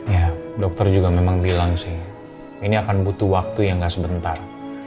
ya dokter juga memang bilang sih ini akan butuh waktu yang gak sebentar